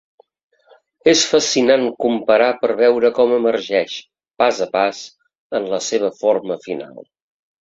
És fascinant comparar per veure com emergeix, pas a pas, en la seva forma final.